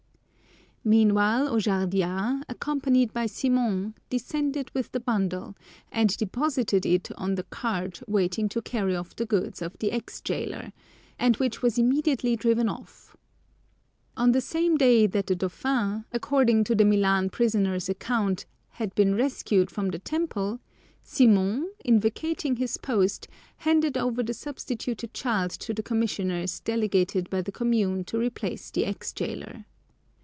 Meanwhile Ojardias, accompanied by Simon, descended with the bundle, and deposited it on the cart waiting to carry off the goods of the ex jailer, and which was immediately driven off. On the same day that the dauphin, according to the Milan prisoner's account, had been rescued from the Temple, Simon, in vacating his post, handed over the substituted child to the commissioners delegated by the commune to replace the ex jailer.